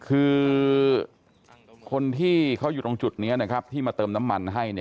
คือคนที่เขาอยู่ตรงจุดนี้นะครับที่มาเติมน้ำมันให้เนี่ย